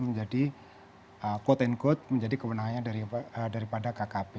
menjadi quote unquote menjadi kewenangannya daripada kkp